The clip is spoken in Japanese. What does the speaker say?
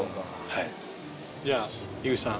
じゃあ井口さん。